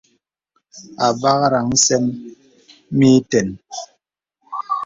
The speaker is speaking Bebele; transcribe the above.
Àbakraŋ sə̀m mə ìtəŋ.